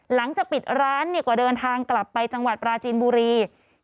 หลังจากปิดร้านเนี่ยก็เดินทางกลับไปจังหวัดปราจีนบุรี